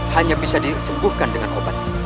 hanya bisa disembuhkan dengan obat itu